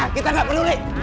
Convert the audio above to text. kita gak peduli